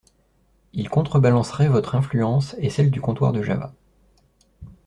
Il contrebalancerait votre influence et celle du comptoir de Java.